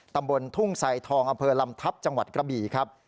ตำบลทุ่งไซทองอำเภอลำทัพจังหวัดกระบี่ครับ